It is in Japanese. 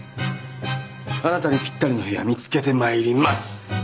あなたにぴったりの部屋見つけてまいります！